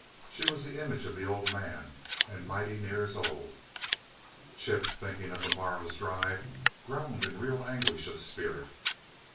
She was the image of the Old Man and mighty near as old." Chip, thinking of the morrow's drive, groaned in real anguish of spirit.